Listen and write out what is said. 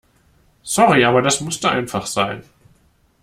Sorry, aber das musste einfach sein.